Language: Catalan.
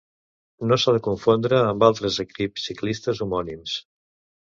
No s'ha de confondre amb altres equips ciclistes homònims.